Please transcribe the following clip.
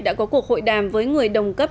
đã có cuộc hội đàm với người đồng cấp